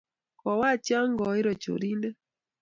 Kowaach ya koiro chorindet